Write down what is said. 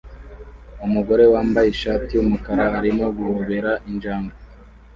Umugore wambaye ishati yumukara arimo guhobera injangwe